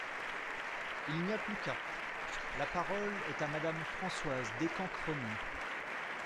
Il n’y a plus qu’à ! La parole est à Madame Françoise Descamps-Crosnier.